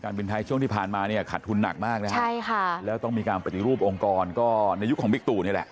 บินไทยช่วงที่ผ่านมาเนี่ยขาดทุนหนักมากนะฮะใช่ค่ะแล้วต้องมีการปฏิรูปองค์กรก็ในยุคของบิ๊กตู่นี่แหละ